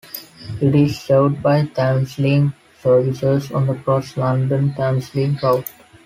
It is served by Thameslink services on the cross-London Thameslink route.